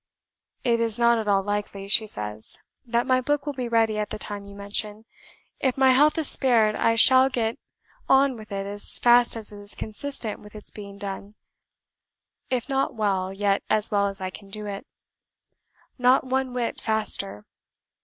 "It is not at all likely" (she says) "that my book will be ready at the time you mention. If my health is spared, I shall get on with it as fast as is consistent with its being done, if not WELL, yet as well as I can do it. NOT ONE WHIT FASTER.